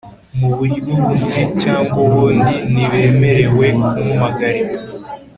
Muburyo bumwe cyangwa ubundi ntibemerewe kumpagarika